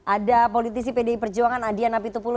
ada politisi pdi perjuangan adian apitupulu